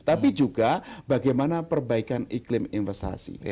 tapi juga bagaimana perbaikan iklim investasi